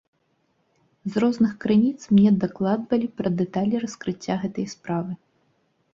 З розных крыніц мне дакладвалі пра дэталі раскрыцця гэтай справы.